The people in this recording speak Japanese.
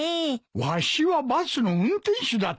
わしはバスの運転手だったかな。